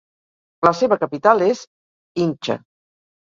La serva capital és Hinche.